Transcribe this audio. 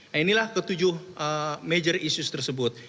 nah inilah ketujuh major issues tersebut